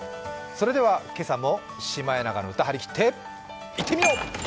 それでは今朝も「シマエナガの歌」、張り切っていってみよう！